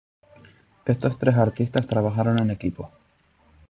Estos tres artistas trabajaron en equipo.